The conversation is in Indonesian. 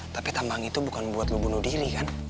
tapi tambang itu bukan buat lo bunuh diri kan